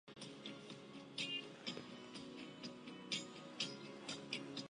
散馆授编修。